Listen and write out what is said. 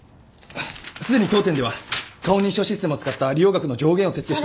すでに当店では顔認証システムを使った利用額の上限を設定して。